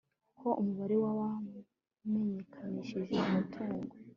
ko umubare w abamenyekanishije umutungo